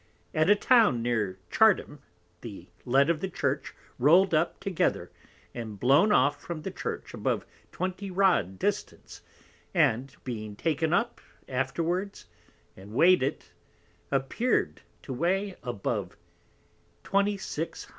_ At a Town near Chartham, _the Lead of the Church rolled up together, and blown off from the Church above 20 Rod distance, and being taken up afterwards, and weigh'd it, appear'd to weigh above 2600 weight.